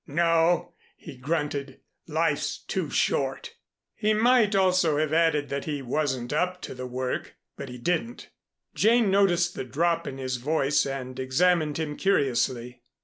"No," he grunted. "Life's too short." He might also have added that he wasn't up to the work, but he didn't. Jane noticed the drop in his voice and examined him curiously.